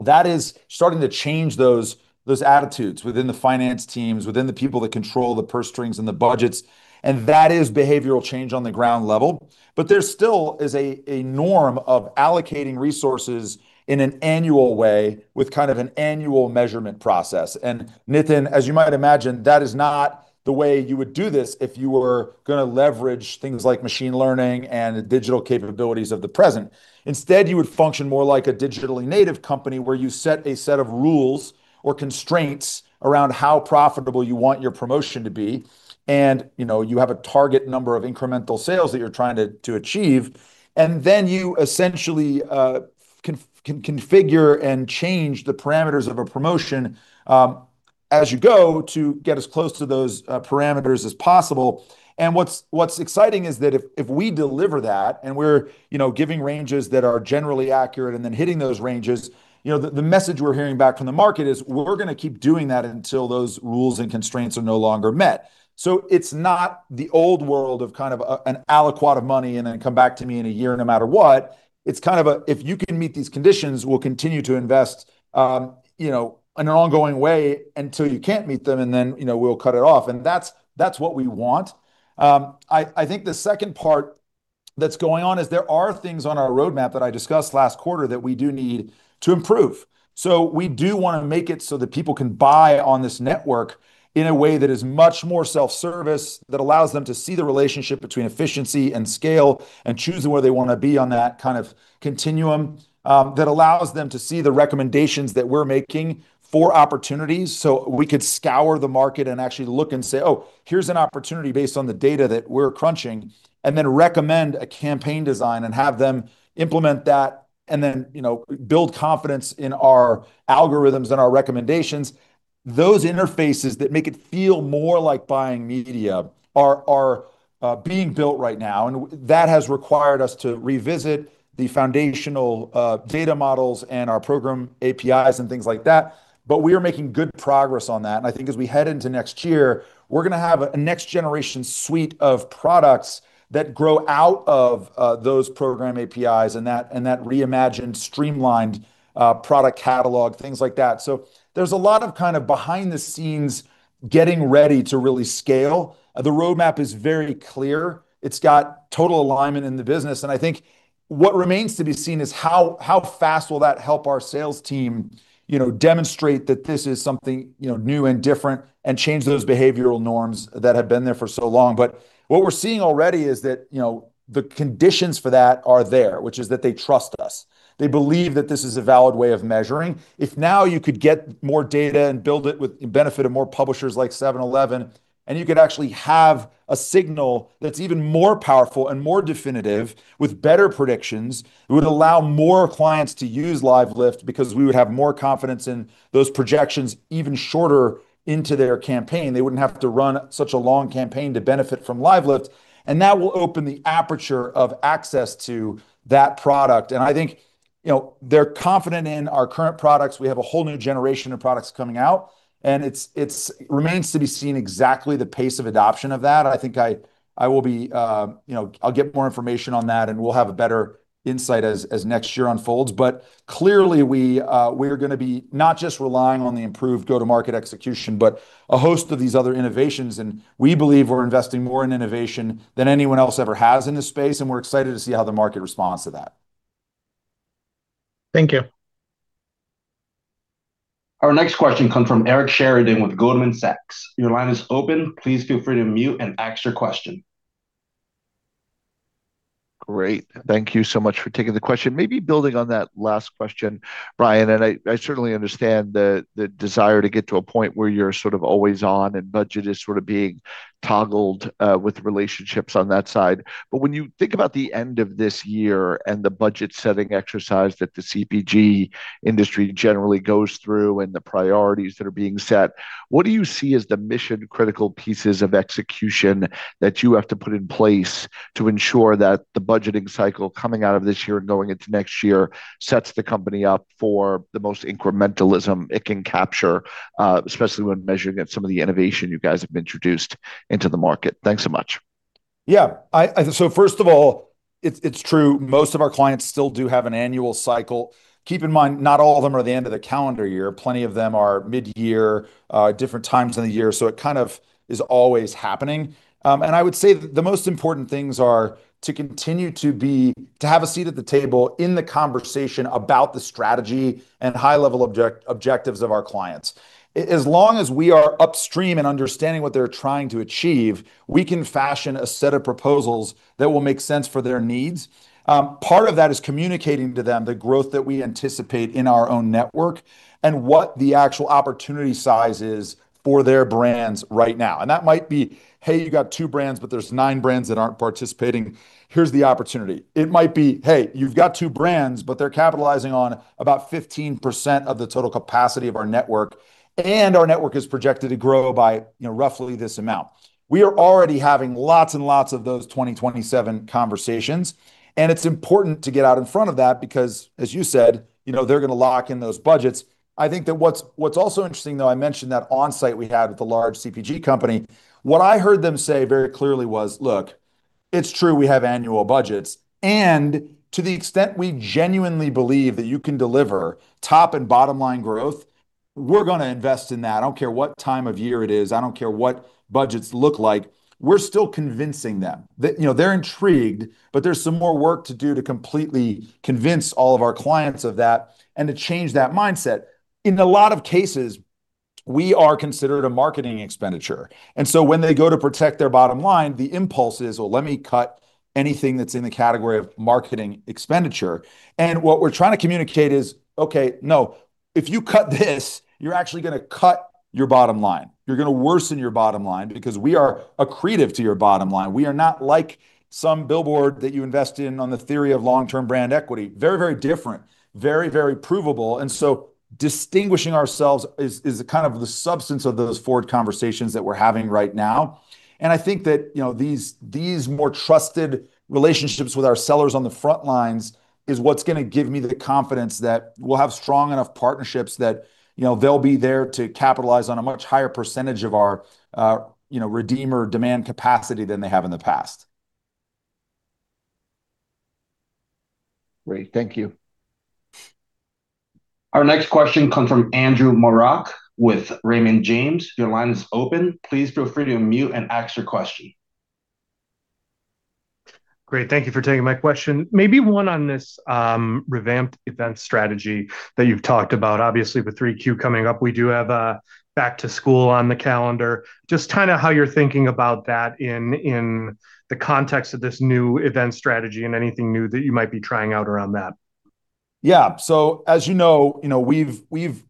That is starting to change those attitudes within the finance teams, within the people that control the purse strings and the budgets. That is behavioral change on the ground level. There still is a norm of allocating resources in an annual way with an annual measurement process. Nitin Bansal, as you might imagine, that is not the way you would do this if you were going to leverage things like machine learning and the digital capabilities of the present. Instead, you would function more like a digitally native company, where you set a set of rules or constraints around how profitable you want your promotion to be and, you have a target number of incremental sales that you're trying to achieve, and then you essentially configure and change the parameters of a promotion as you go to get as close to those parameters as possible. What's exciting is that if we deliver that, and we're giving ranges that are generally accurate and then hitting those ranges, the message we're hearing back from the market is, "We're going to keep doing that until those rules and constraints are no longer met." It's not the old world of an aliquot of money and then come back to me in a year no matter what. It's kind of a, if you can meet these conditions, we'll continue to invest in an ongoing way until you can't meet them, and then we'll cut it off. That's what we want. I think the second part that's going on is there are things on our roadmap that I discussed last quarter that we do need to improve. We do want to make it so that people can buy on this network in a way that is much more self-service, that allows them to see the relationship between efficiency and scale, and choose where they want to be on that kind of continuum. That allows them to see the recommendations that we're making for opportunities, so we could scour the market and actually look and say, "Oh, here's an opportunity based on the data that we're crunching." Then recommend a campaign design and have them implement that, then build confidence in our algorithms and our recommendations. Those interfaces that make it feel more like buying media are being built right now, and that has required us to revisit the foundational data models and our program APIs and things like that. We are making good progress on that. I think as we head into next year, we're going to have a next generation suite of products that grow out of those program APIs and that reimagined, streamlined product catalog, things like that. There's a lot of kind of behind-the-scenes getting ready to really scale. The roadmap is very clear. It's got total alignment in the business. I think what remains to be seen is how fast will that help our sales team demonstrate that this is something new and different, and change those behavioral norms that have been there for so long. What we're seeing already is that the conditions for that are there, which is that they trust us. They believe that this is a valid way of measuring. If now you could get more data and build it with the benefit of more publishers like 7-Eleven, and you could actually have a signal that's even more powerful and more definitive with better predictions, it would allow more clients to use LiveLift because we would have more confidence in those projections even shorter into their campaign. They wouldn't have to run such a long campaign to benefit from LiveLift, and that will open the aperture of access to that product. I think they're confident in our current products. We have a whole new generation of products coming out, and it remains to be seen exactly the pace of adoption of that. I think I'll get more information on that, and we'll have a better insight as next year unfolds. Clearly, we are going to be not just relying on the improved go-to-market execution, but a host of these other innovations. We believe we're investing more in innovation than anyone else ever has in this space, and we're excited to see how the market responds to that. Thank you. Our next question comes from Eric Sheridan with Goldman Sachs. Your line is open. Please feel free to unmute and ask your question. Great. Thank you so much for taking the question. Maybe building on that last question, Bryan Leach, I certainly understand the desire to get to a point where you're sort of always on, and budget is sort of being toggled with relationships on that side. When you think about the end of this year and the budget-setting exercise that the CPG industry generally goes through and the priorities that are being set, what do you see as the mission-critical pieces of execution that you have to put in place to ensure that the budgeting cycle coming out of this year and going into next year sets the company up for the most incrementalism it can capture, especially when measuring it against some of the innovation you guys have introduced into the market? Thanks so much. First of all, it's true, most of our clients still do have an annual cycle. Keep in mind, not all of them are the end of the calendar year. Plenty of them are mid-year, different times in the year, so it kind of is always happening. I would say that the most important things are to continue to have a seat at the table in the conversation about the strategy and high-level objectives of our clients. As long as we are upstream and understanding what they're trying to achieve, we can fashion a set of proposals that will make sense for their needs. Part of that is communicating to them the growth that we anticipate in our own network and what the actual opportunity size is for their brands right now. That might be, "Hey, you got two brands, but there's nine brands that aren't participating. Here's the opportunity." It might be, "Hey, you've got two brands, but they're capitalizing on about 15% of the total capacity of our network, and our network is projected to grow by roughly this amount." We are already having lots and lots of those 20-27 conversations, and it's important to get out in front of that because, as you said, they're going to lock in those budgets. I think that what's also interesting, though, I mentioned that onsite we had with the large CPG company. What I heard them say very clearly was, "Look, it's true we have annual budgets. To the extent we genuinely believe that you can deliver top and bottom-line growth, we're going to invest in that. I don't care what time of year it is. I don't care what budgets look like." We're still convincing them. They're intrigued, but there's some more work to do to completely convince all of our clients of that and to change that mindset. In a lot of cases, we are considered a marketing expenditure, so when they go to protect their bottom line, the impulse is, "Well, let me cut anything that's in the category of marketing expenditure." What we're trying to communicate is, "Okay, no. If you cut this, you're actually going to cut your bottom line. You're going to worsen your bottom line because we are accretive to your bottom line." We are not like some billboard that you invest in on the theory of long-term brand equity. Very, very different. Very, very provable. Distinguishing ourselves is kind of the substance of those forward conversations that we're having right now. I think that these more trusted relationships with our sellers on the front lines is what's going to give me the confidence that we'll have strong enough partnerships that they'll be there to capitalize on a much higher percentage of our redeemer demand capacity than they have in the past. Great. Thank you. Our next question comes from Andrew Marok with Raymond James. Your line is open. Please feel free to unmute and ask your question. Great. Thank you for taking my question. Maybe one on this revamped event strategy that you've talked about. Obviously, with Q3 coming up, we do have a Back to School on the calendar. Just how you're thinking about that in the context of this new event strategy and anything new that you might be trying out around that. As you know, we've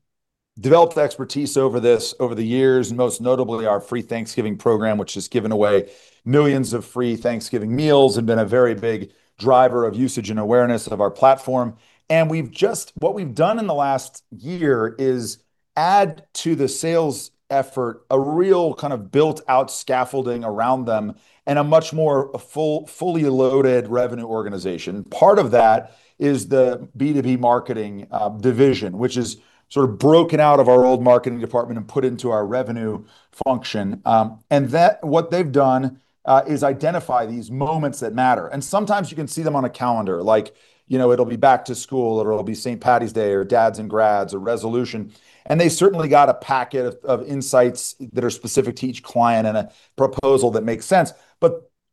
developed expertise over this over the years, most notably our free Thanksgiving program, which has given away millions of free Thanksgiving meals and been a very big driver of usage and awareness of our platform. What we've done in the last year is add to the sales effort, a real kind of built-out scaffolding around them, and a much more fully loaded revenue organization. Part of that is the B2B marketing division, which is sort of broken out of our old marketing department and put into our revenue function. What they've done is identify these moments that matter, and sometimes you can see them on a calendar, like it'll be Back to School, or it'll be St. Paddy's Day, or dads and grads, or resolution. They certainly got a packet of insights that are specific to each client and a proposal that makes sense.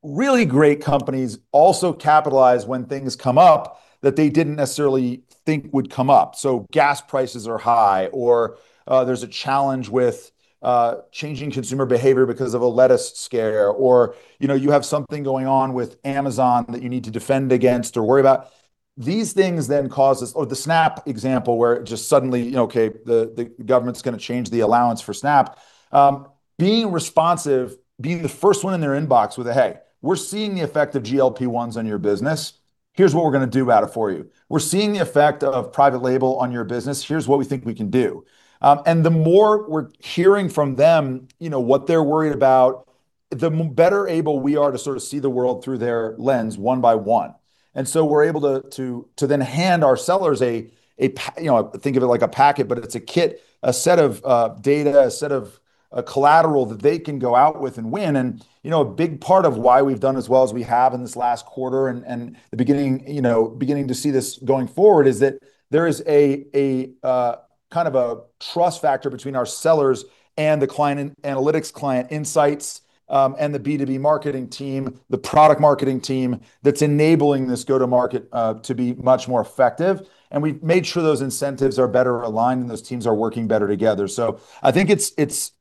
Really great companies also capitalize when things come up that they didn't necessarily think would come up. Gas prices are high or there's a challenge with changing consumer behavior because of a lettuce scare or you have something going on with Amazon that you need to defend against or worry about. These things cause. The SNAP example where just suddenly, the government's going to change the allowance for SNAP. Being responsive, being the first one in their inbox with a, "Hey, we're seeing the effect of GLP-1s on your business. Here's what we're going to do about it for you. We're seeing the effect of private label on your business. Here's what we think we can do." The more we're hearing from them, what they're worried about, the better able we are to sort of see the world through their lens one by one. We're able to then hand our sellers a packet, but it's a kit, a set of data, a set of collateral that they can go out with and win. A big part of why we've done as well as we have in this last quarter and beginning to see this going forward is that there is a kind of a trust factor between our sellers and the client analytics, client insights, and the B2B marketing team, the product marketing team that's enabling this go-to-market to be much more effective. We've made sure those incentives are better aligned, and those teams are working better together. I think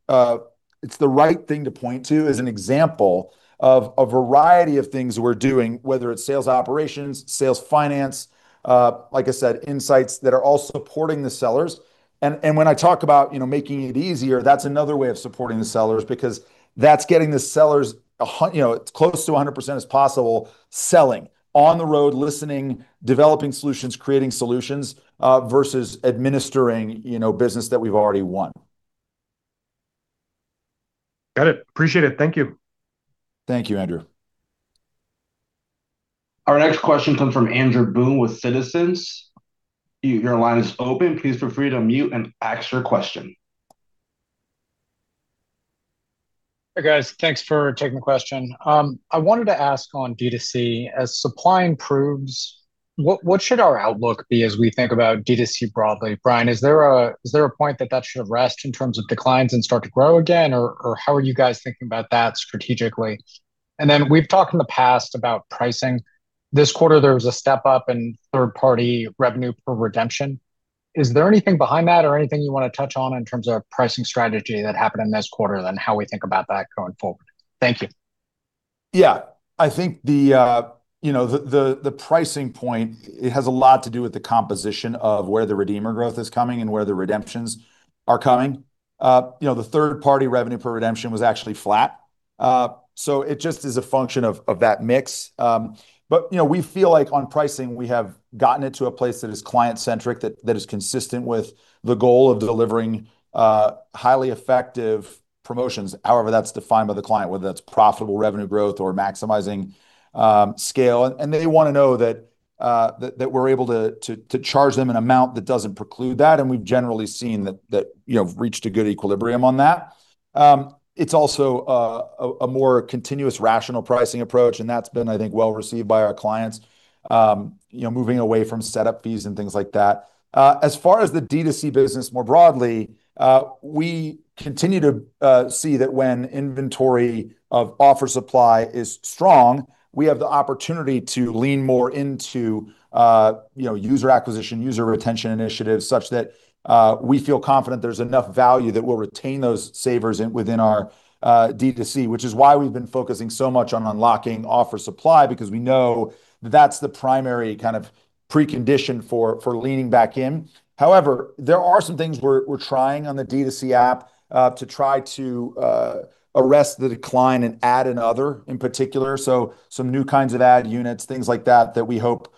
it's the right thing to point to as an example of a variety of things we're doing, whether it's sales operations, sales finance, like I said, insights that are all supporting the sellers. When I talk about making it easier, that's another way of supporting the sellers because that's getting the sellers close to 100% as possible selling on the road, listening, developing solutions, creating solutions, versus administering business that we've already won. Got it. Appreciate it. Thank you. Thank you, Andrew Marok. Our next question comes from Andrew Boone with Citizens. Your line is open. Please feel free to unmute and ask your question. Hey, guys. Thanks for taking the question. I wanted to ask on D2C, as supply improves, what should our outlook be as we think about D2C broadly? Bryan Leach, is there a point that that should rest in terms of declines and start to grow again, or how are you guys thinking about that strategically? Then we've talked in the past about pricing. This quarter, there was a step up in third-party revenue per redemption. Is there anything behind that or anything you want to touch on in terms of pricing strategy that happened in this quarter, then how we think about that going forward? Thank you. Yeah. I think the pricing point, it has a lot to do with the composition of where the redeemer growth is coming and where the redemptions are coming. The third-party revenue per redemption was actually flat. It just is a function of that mix. We feel like on pricing, we have gotten it to a place that is client-centric, that is consistent with the goal of delivering highly effective promotions, however that's defined by the client, whether that's profitable revenue growth or maximizing scale. They want to know that we're able to charge them an amount that doesn't preclude that, and we've generally seen that we've reached a good equilibrium on that. It's also a more continuous rational pricing approach, and that's been, I think, well-received by our clients, moving away from setup fees and things like that. As far as the D2C business more broadly, we continue to see that when inventory of offer supply is strong, we have the opportunity to lean more into user acquisition, user retention initiatives, such that we feel confident there's enough value that will retain those savers within our D2C, which is why we've been focusing so much on unlocking offer supply because we know that that's the primary kind of precondition for leaning back in. However, there are some things we're trying on the D2C app to try to arrest the decline in ad and other, in particular. Some new kinds of ad units, things like that we hope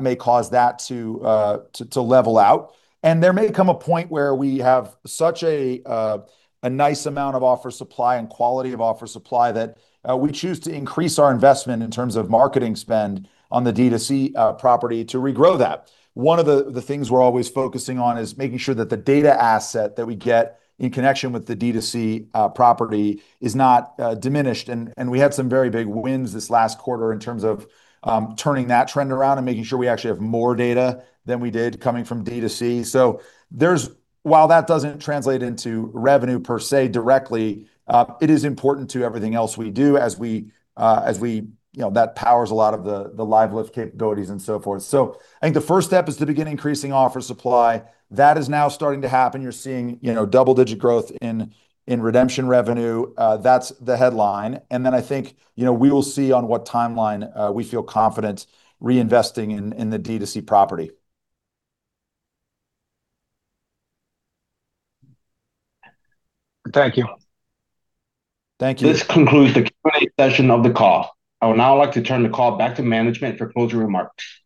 may cause that to level out. There may come a point where we have such a nice amount of offer supply and quality of offer supply that we choose to increase our investment in terms of marketing spend on the D2C property to regrow that. One of the things we're always focusing on is making sure that the data asset that we get in connection with the D2C property is not diminished, and we had some very big wins this last quarter in terms of turning that trend around and making sure we actually have more data than we did coming from D2C. While that doesn't translate into revenue per se directly, it is important to everything else we do. That powers a lot of the LiveLift capabilities and so forth. I think the first step is to begin increasing offer supply. That is now starting to happen. You're seeing double-digit growth in redemption revenue. That's the headline. I think we will see on what timeline we feel confident reinvesting in the D2C property. Thank you. Thank you. This concludes the Q&A session of the call. I would now like to turn the call back to management for closing remarks.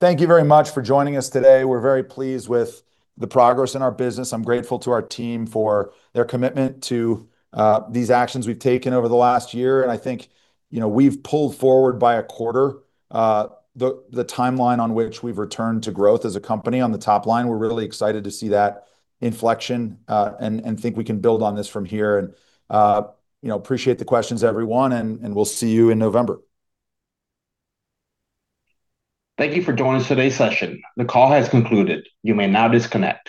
Thank you very much for joining us today. We're very pleased with the progress in our business. I'm grateful to our team for their commitment to these actions we've taken over the last year. I think we've pulled forward by a quarter the timeline on which we've returned to growth as a company on the top line. We're really excited to see that inflection, and think we can build on this from here. Appreciate the questions, everyone, and we'll see you in November. Thank you for joining today's session. The call has concluded. You may now disconnect.